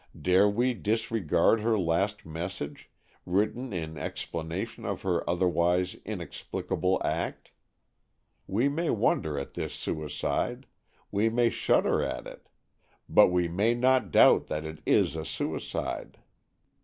Dare we disregard her last message, written in explanation of her otherwise inexplicable act? We may wonder at this suicide, we may shudder at it; but we may not doubt that it is a suicide.